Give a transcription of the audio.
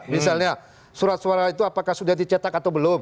misalnya surat suara itu apakah sudah dicetak atau belum